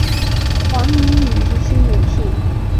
黄影影执行董事。